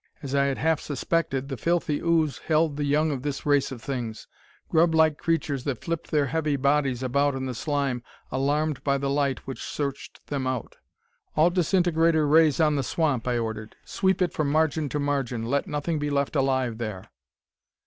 As I had half suspected, the filthy ooze held the young of this race of things: grub like creatures that flipped their heavy bodies about in the slime, alarmed by the light which searched them out. "All disintegrator rays on the swamp," I ordered. "Sweep it from margin to margin. Let nothing be left alive there."